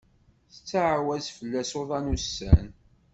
Tettɛawaz fellas uḍan ussan.